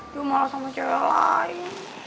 dia malah sama cewek lain